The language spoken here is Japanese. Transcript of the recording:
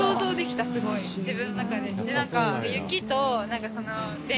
自分の中で。